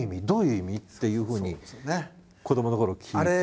どういう意味？」っていうふうに子どものころ聞いて。